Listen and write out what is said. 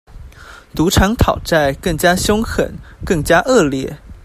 賭場討債更加兇狠、更加惡劣